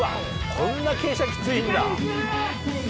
こんな傾斜きついんだ。